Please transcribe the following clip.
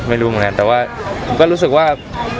ไม่รู้เหมือนกันแต่ว่าผมก็รู้สึกว่า